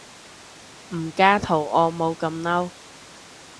唔加圖案冇咁嬲